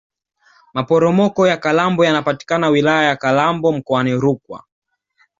maporomoko ya kalambo yanapatikana wilaya ya kalambo mkoani rukwa